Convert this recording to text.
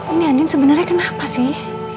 ini andin sebenarnya kenapa sih